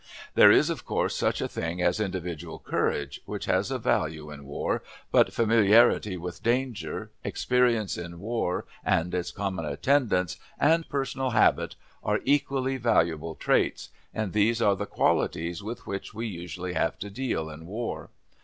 There is, of course, such a thing as individual courage, which has a value in war, but familiarity with danger, experience in war and its common attendants, and personal habit, are equally valuable traits, and these are the qualities with which we usually have to deal in war.